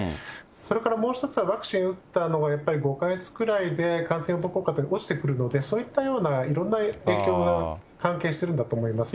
それからもう１つは、ワクチンを打ったのがやっぱり５か月くらいで感染予防効果って落ちてくるので、そういったようないろんな影響が関係しているんだと思います。